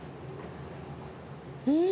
うん！